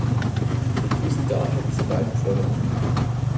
Wir begrüßen daher diese beiden Forderungen.